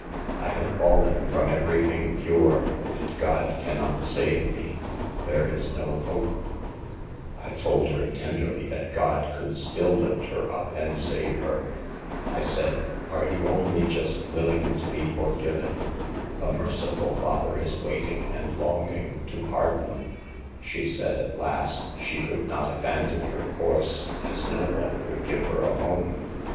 6 1 have fallen from everything pure, and God can not save me ; there is no hope.' I told her ten CHILDHOOD'S INNOCENCE, HOW TO SAVES otjb ebbihg sisters. 249 derly that God could still lift her up and save her. I said : 4 Are you only just willing to be forgiven ? A merciful Father is waiting and longing to pardon.' She said at last, she could not abandon her course, as no one would give her a home.